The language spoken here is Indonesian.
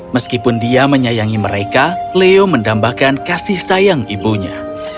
meskipun dia menyayangi mereka leo mendambakan kasih sayang ibunya